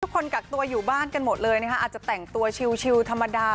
กักตัวอยู่บ้านกันหมดเลยนะคะอาจจะแต่งตัวชิลธรรมดา